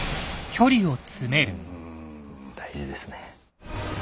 大事ですね。